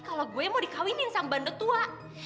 kalau gue mau dikawinin sama bandut tua